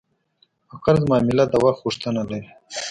په قرض معامله د وخت غوښتنه لري.